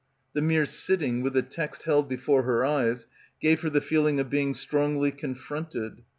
The mere sitting with the text held before her eyes gave her the feeling of being strongly con fronted.